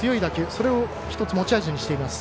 それを１つ持ち味にしています。